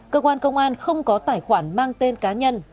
cơ quan công an không có tài khoản mang tên cá nhân